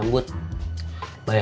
nggak ada apa apa